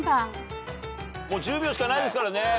もう１０秒しかないですからね。